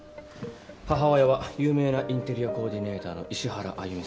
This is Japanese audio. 母親は有名なインテリアコーディネーターの石原歩美さん。